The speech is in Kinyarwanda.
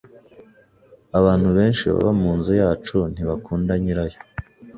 Abantu benshi baba munzu yacu ntibakunda nyirayo.